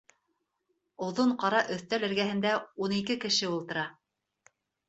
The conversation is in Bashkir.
Оҙон ҡара өҫтәл эргәһендә ун ике кеше ултыра.